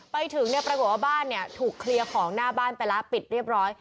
ไปถึงเนี่ยปรากฏว่าบ้านเนี่ยถูกเคลียร์ของหน้าบ้านไปแล้วปิดเรียบร้อย